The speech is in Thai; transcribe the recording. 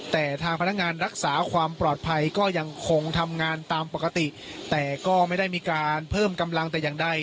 แต่ทางพนักงานรักษาความปลอดภัยก็ยังคงทำงานตามปกติแต่ก็ไม่ได้มีการเพิ่มกำลังแต่อย่างใด